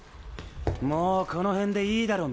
もうこの辺でいいだろ？